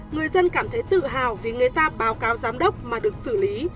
người dân cảm thấy tự hào vì người ta báo cáo giám đốc mà được xử lý